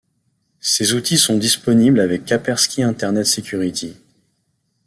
Ces outils sont disponibles avec Kaspersky Internet Security.